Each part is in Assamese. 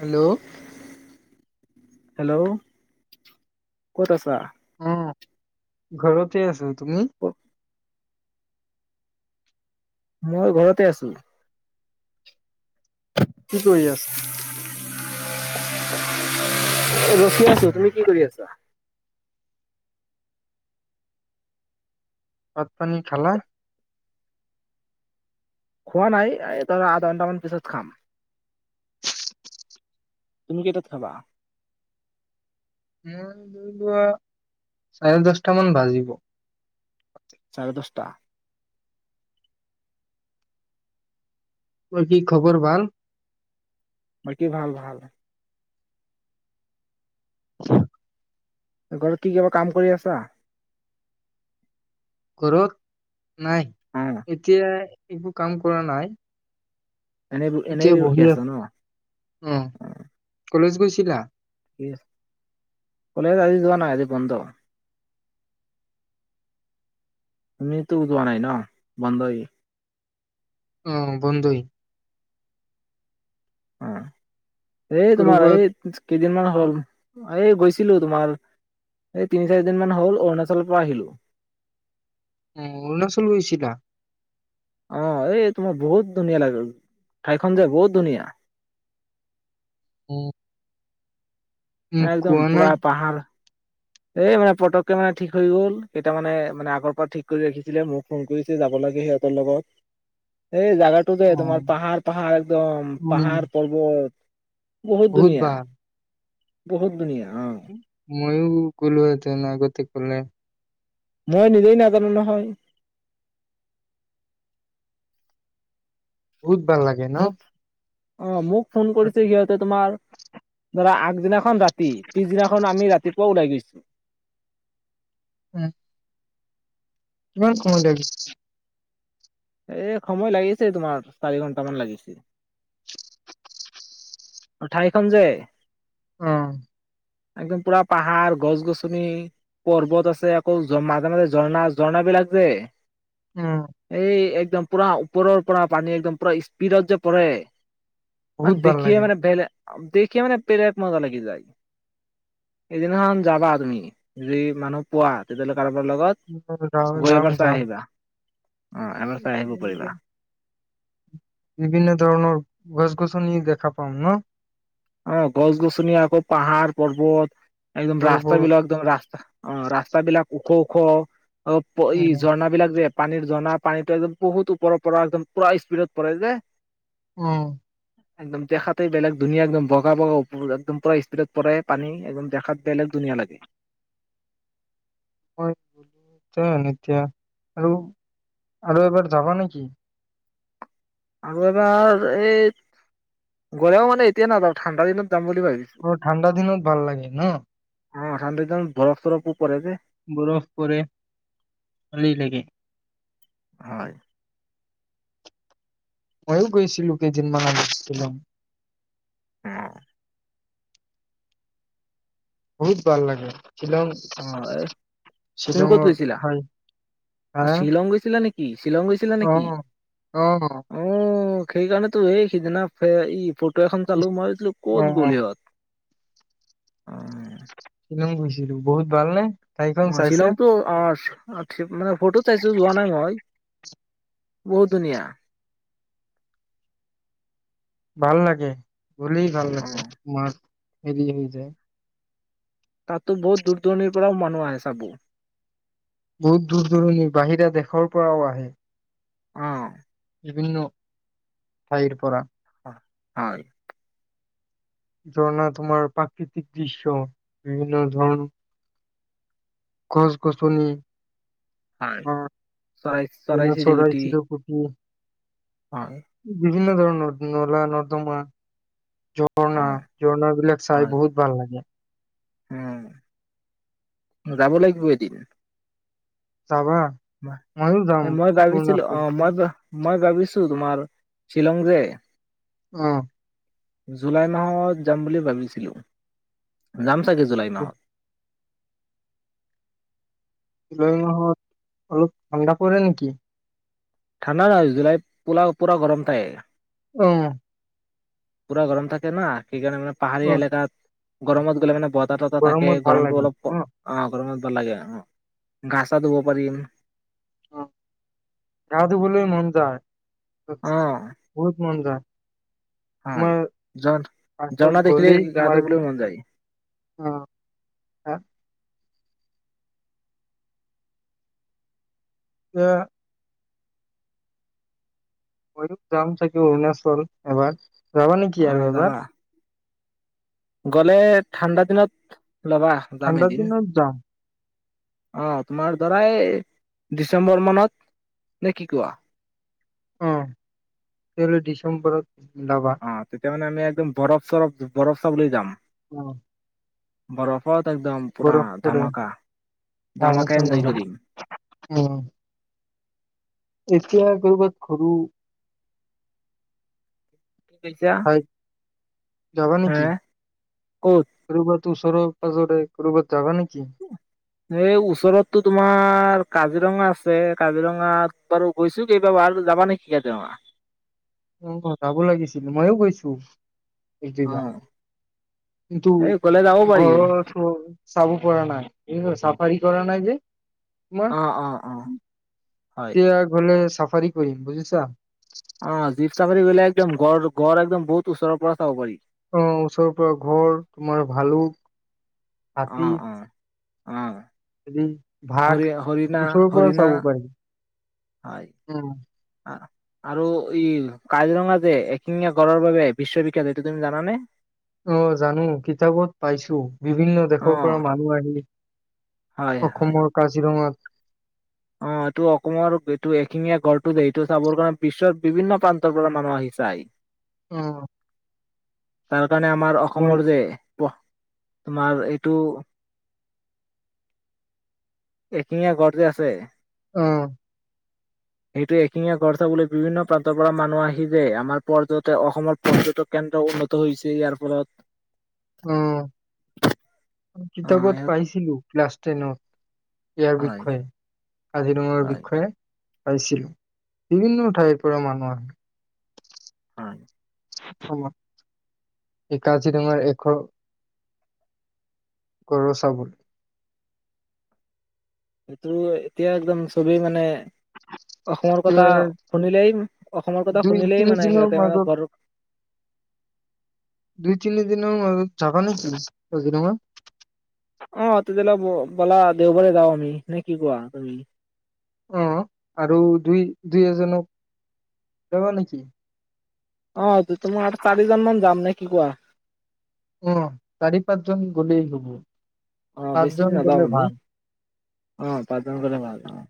হেল্ল'? হেল্ল' ক'ত আছা? অ', ঘৰতে আছো, তুমি? [inaudible] মই ঘৰতে আছো। কি কৰি আছ ৰখি আছো তুমি কি কৰি আছা। ভাত পানী খালা? খোৱা নাই আধা ঘণ্টামান পিছত খাম। তুমি কেইটাত খাবা? উম, ধৰি লোৱা চাৰে দহটা মান বাজিব। চাৰে দহটা। বাকি কি খবৰ ভাল? বাকী ভাল ভাল। ঘৰত কি কিবা কাম কৰি আছা? ঘৰত নাই অ এতিয়া একো কাম কৰা নাই। এনে এনেই এতিয়া ৰখি বহি আছা আছো, ন? উম কলেজ গৈছিলা? কলেজ আজি যোৱা নাই আজি বন্ধ। তুমিটো যোৱা নাই ন বন্ধই। অ', বন্ধই। অ', এ তোমাৰ কৰবাত এই কেইদিনমান হ'ল এই গৈছিলো তোমাৰ এই তিনি চাৰি দিন মান হ'ল অৰুণাচলৰ পৰা আহিলো। উম, অৰুণাচল গৈছিলা? অ', এই তোমাৰ বহুত ধুনীয়া লাগে ঠাইখন যে বহুত ধুনীয়া। উম। একদম নাই পুৰা পাহাৰ। এই মানে পতককে মানে ঠিক হৈ গ'ল কেইটা মানে মানে আগৰ পৰা ঠিক কৰি ৰাখিছিলে মোক। ফোন কৰিছে যাব লাগে সিহঁতৰ লগত এই জোগাত টো যে অ তোমাৰ পাহাৰ পাহাৰ একদম উ পাহাৰ পৰ্বত বহুত ধুনীয়া। বহুত ধুনীয়া অ'। ময়ো গ'লোহেঁতেন আগতে ক'লে। মই নিজেই নাজানো নহয়। বহুত ভাল লাগে ন'। মোক অ', মোক ফোন কৰিছে সিহঁত তোমাৰ ধৰা আগদিনাখন ৰাতি পিছদিনাখন আমি ৰাতিপুৱা ওলাই গৈছো। উম। ইমান কম টাইম? এ সময় লাগিছে তোমাৰ চাৰি ঘণ্টামান লাগিছে। অ', ঠাইখন যে অ'। একদম পুৰা পাহাৰ গছ গছনি। পৰ্বত আছে আকৌ মাজে মাজে ঝৰ্ণা ঝৰ্ণাবিলাক যে। উম এই একদম পুৰা ওপৰৰ পৰা পানী একদম পুৰা স্পীডত যে পৰে। বহুত মান ভাল দেখিয়ে লাগে মানে বেলেগ দেখিয়ে মানে বেলেগ মজা লাগি যায়। সেইদিনাখন যাবা তুমি যদি মানুহ তেতিয়াহ'লে লগত। যাম গৈ যাম এবাৰ চাই যাম। আহিবা অ' এবাৰ চাই আহিব এদিকে পাৰিবা। বিভিন্ন ধৰণৰ গছ গছনি দেখা পাম ন। অ' গছ-গছনি আকৌ পাহাৰ পৰ্বত একদম ৰাস্তা পৰ্বত বিলাক একদম ৰাস্তা অ' ৰাস্তাবিলাক ওখ ওখ অ' উম, ঝৰ্ণা বিলাক যে পানীৰ ঝৰ্ণা পানীটো একদম বহুত ওপৰৰ পৰা একদম পুৰা স্পীডত পৰে যে অ' একদম দেখাতে বেলেগ ধুনীয়া একদম বগা একদম [unintelligible] পূৰা স্পীডত পৰে পানী একদম বেলেগ ধুনীয়া লাগে হয় যাম এতিয়া আৰু আৰু এবাৰ যাবা নেকি? আৰু এবাৰ এই গলেও মানে এতিয়া নাযাওঁ ঠাণ্ডা দিনত যাম বুলি ভাবিছোঁ। অ ঠাণ্ডা দিনত ভাল লাগে ন অ' ঠাণ্ডাদিনত বৰফ চৰফ ও পৰে যে বৰফ পৰে শালি [unintelligible] লাগে হয়। মইও গৈছিলো কেইদিনমান আগত ছিলং। অ' বহুত ভাল লাগে শ্বিলং অ' এ' তুমি ক'ত শ্বিলঙৰ গৈছিলা ঠাই হা শ্বিলং গৈছিলা নেকি কি শ্বিলং গৈছিলা অ নেকি? অ অ' সেইকাৰণে তো এই সিজনা ই ফটো এখন চালো ইচ, মই ভাবিছিলোঁ অ ক'ত গ'ল সিহঁত অ' শ্বিলং গুছিলো বহুত ভাল নে অ শ্বিলংতো আ মানে ফটো চাইছো যোৱা নাই মই বহুত ধুনীয়া ভাল লাগে গলে ভাল অ লাগে মাৰ হৰি হৈ যায় তাতো বহুত দূৰ দূৰণিৰ পৰাও মানুহ আহে চাবো বহুত দূৰ দূৰণিৰ বাহিৰা দেশৰ পৰাও আহে অ বিভিন্ন ঠাইৰ পৰা অ হয় ঝৰ্ণা তোমাৰ প্ৰাকৃতিক দৃশ্য বিভিন্ন ধৰণ গছ গছনি হয় উ চৰাই ধুনীয়া চৰাই চিৰিকটি চিৰিকটি হয় বিভিন্ন ধৰণৰ নলা নৰ্দমা অ ঝৰ্ণা ঝৰ্ণ বিলাক চাই হয়, বহুত ভাল লাগে। উম যাব লাগিব এদিন। যাবা। ময়ো যাম মই ভাবিছিলোঁ অৰুণাচল অ মই মই ভাবিছোঁ তোমাৰ শ্বিলং যে অ জুলাই মাহত যাম বুলি ভাবিছিলো যাম চাগে জুলাই মাহত। জুলাই মাহত অলপ ঠাণ্ডা পৰে নেকি? ঠাণ্ডা নহয় জুলাই পোৰা পোৰা গৰম পায়। অ পুৰা গৰম থাকে না সেইকাৰণে মানে অ পাহাৰীয়া এলেকাত গৰমত গ'লে মানে ব ততা ততা থাকে গৰমত ভাল গৰমতটো লাগে অলপ অ গৰমত ভাল লাগে অ গা চা ধুব পাৰিম অ গা ধুবলে মন যায় অ বহুত মন যায়। হয়, তোমাৰ জ পাছত ঝৰ্ণা দেখিলে গ'লেই গা তোমাৰ ধবলৈ মন যায়। অ। তাত [unintelligible] মইতো যাম চাগে অৰুণাচল এবাৰ, যাবা নেকি অ আৰু যাবা এবাৰ! গ'লে ঠাণ্ডা দিনত ওলাবা, যাম ঠাণ্ডা এদিন। দিনত যাম অঁ, তোমাৰ ধৰা এ ডিচেম্বৰ মানত, নে কি কোৱা! অ, তেতিয়াহ'লে ডিচেম্বৰত যাবা। অ, তেতিয়া মানে আমি একদম বৰফ-চৰফ, বৰফ চাবলে যাম। উম। বৰফত একদম পুৰা বৰফ পৰে ধামাকা-ধমাকাই এঞ্জয় কৰিম। উম। এতিয়া কৰ'বাত ঘুৰো। [unintelligible] [unintelligible] যাবা হে নেকি! ক'ত ক'ৰবাত ওচৰৰে-পাজৰে, ক'ৰবাত যাবা নেকি! এই ওচৰতটো তোমাৰ কাজিৰঙা আছে, কাজিৰঙাত বাৰু গৈছো কেইবা বাৰ আৰু যাবা নেকি কাজিৰঙা! উম, যাব লাগিছিল, ময়ো গৈছো। অ এইজেগা কিন্তু এই গ'লে যাব পাৰি গড় চাব পৰা নাই, চাফাৰী কৰা নাই যে। অ, অ, অ। হয় এতিয়া গ'লে চাফাৰী কৰিম, বুজিছা! অ, জীপ চাফাৰী কৰিলে একদম গড়ৰ গড় একদম বহুত ওচৰৰ পৰা চাব পাৰি। অ', ওচৰৰ পৰা গড়, তোমাৰ ভালুক হাতী, অ', অ', অ', হেৰি বাঘ হৰি-হৰিণা, ওচৰৰ পৰা হৰিণা চাব পাৰি। উম, [unintelligible] আৰু ই কাজিৰঙা যে, এশিঙীয়া গড়ৰ বাবে বিশ্ববিখ্যাত, এইটো তুমি জানানে? অ', জানো। কিতাপত পাইছো। বিভিন্ন অ দেশৰ পৰা মানুহ আহি হয় হয় অসমৰ কাজিৰঙাত অ', এইটো অসমৰ, এইটো এশিঙীয়া গড়টো যে, এইটো চাবৰ কাৰণে বিশ্বৰ বিভিন্ন প্ৰান্তৰ পৰা মানুহ আহি চায়। অ। তাৰ কাৰণে আমাৰ মই অসমৰ যে, প তোমাৰ এইটো এশিঙীয়া গড় যে আছে অ। সেইটো এশিঙীয়া গড় চাবলৈ বিভিন্ন প্ৰান্তৰ পৰা মানুহ আহি যে, আমাৰ পৰ্যতন, অসমৰ পৰ্যটক কেন্দ্ৰ উন্নত হৈছে, ইয়াৰ ফলত। উম, কিতাপত হয় পাইছিলো, ক্লাছ টেনত ইয়াৰ হয় বিষয়ে, কাজিৰঙাৰ হয় বিষয়ে পাইছিলো। বিভিন্ন ঠাইৰ পৰা মানুহ আহে। হয়। হ'ব। এই কাজিৰঙাৰ এশ [unintelligible] সেইটো, এতিয়া একদম চবেই মানে অসমৰ কথা এতিয়া শুনিলেই, অসমৰ কথা দুই শুনিলেই তিনি মানে দিনৰ সিহঁতে মানে মাজত [unintelligible] দুই তিনি দিনৰ মাজত যাবা নেকি কাজিৰঙা? অ' তেতিয়া হ'লে ব'লা দেওবাৰে যাওঁ আমি, নে কি কোৱা তুমি? অ' আৰু দুই, দুই এজনক, যাবা নেকি? অ' তো তোমাৰ চাৰিজন মান যাম নে কি কোৱা? অ' চাৰি পাঁচজন গ'লেই হ'ব, অ বেছি পাঁচজন নাযাওঁ গ'লে আমি ভাল। অ' পাঁচজন গ'লে ভাল। অ'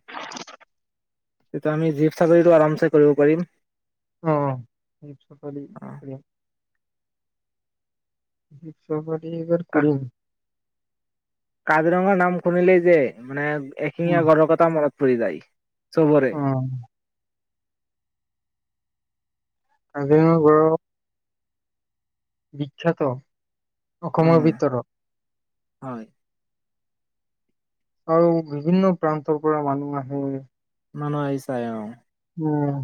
তেতিয়া আমি জীপ চাফাৰীটো আৰামচে কৰিব পাৰিম। অ', জীপ চাফাৰী অ কৰিম। জীপ চাফাৰী এইবাৰ কা কৰিম। কাজিৰঙাৰ নাম শুনিলেই যে, মানে এশিঙীয়া উম গড়ৰ কথা মনত পৰি যায় চবৰে। অ কাজিৰঙাৰ গঁড় বিখ্যাত, অ অসমৰ ভিতৰত। হয়। আৰু বিভিন্ন প্ৰান্তৰ পৰা মানুহ আহে। মানুহ আহি চাই অ'। উম।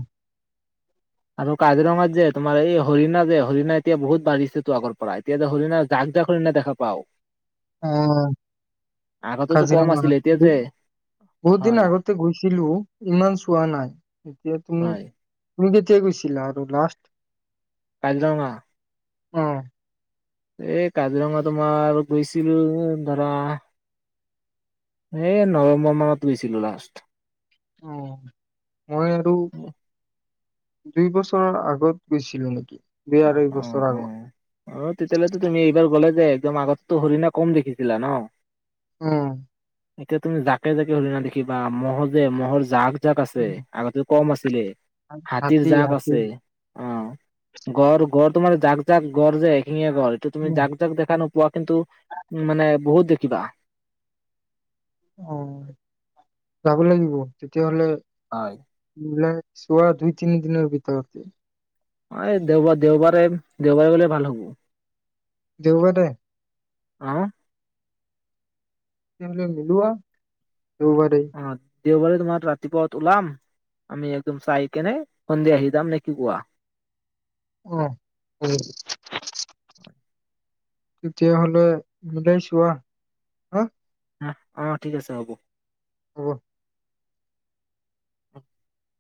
আৰু কাজিৰঙাত যে, তোমাৰ এই হৰিণা যে, হৰিণা এতিয়া বহুত বাহিছে তো আগৰ পৰাই, এতিয়া যে হৰিণা জাক জাক হৰিণা দেখা পাওঁ। অ', আগতেতো কম আছিলে এতিয়া কাজিৰঙাত। যে বহুত দিন হয় আগতে গৈছিলো, ইমান চোৱা নাই। এতিয়া তুমি হয় তুমি কেতিয়া গৈছিলা আৰু লাষ্ট? কাজিৰঙা? অ'। এ কাজিৰঙা তোমাৰ গৈছিলো ধৰা এই নৱেম্বৰ মানত গৈছিলো লাষ্ট। অ'। মই আৰু দুই বছৰৰ আগত গৈছিলো নেকি, দুই অ আঢ়ৈ বছৰ অ আগত। অ' তেতিয়াহ'লেটো তুমি এইবাৰ গ'লে যে একদম আগততো হৰিণা কম দেখিছিলা ন'? অ'। এতিয়া তুমি জাকে জাকে হৰিনা দেখিবা, ম'হ যে ম'হৰ জাক জাক আছে। উম আগতে কম আছিলে, হাতীৰ হাতী জাক হাতী আছে। গড়ঁ গড়ঁ তোমাৰ জাক জাক গঁড় যে এখিঙীয়া গঁড়, এইটো তুমি উম, জাক জাক জাক দেখা নপোৱা, কিন্তু উ মানে বহুত দেখিবা। অ', যাব লাগিব তেতিয়াহ'লে। হয়। সেইবিলাক চোৱা দুই তিনি দিনৰ ভিতৰতে। অ' এই দেওবাৰে দেওবাৰে দেওবাৰে গ'লে ভাল হ'ব। দেওবাৰে? অ'। তেতিয়া হ'লে ওলোৱা দেওবাৰে। অ', দেওবাৰে তোমাৰ ৰাতিপুৱাত ওলাম। আমি একদম চাই কেনে সন্ধিয়া আহি যাম নে কি কোৱা? অ', শুনি আছো। তেতিয়াহ'লে মিলাই ছোৱা। হুহ, অ' ঠিক আছে হ'ব। হ'ব। [inaudible]